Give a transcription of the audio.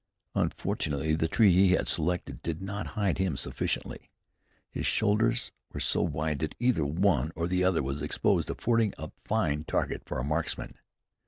Unfortunately the tree he had selected did not hide him sufficiently. His shoulders were so wide that either one or the other was exposed, affording a fine target for a marksman.